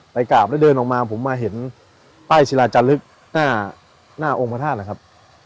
กราบแล้วเดินออกมาผมมาเห็นป้ายศิลาจาลึกหน้าองค์พระธาตุนะครับ